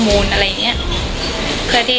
สวัสดีครับทุกคน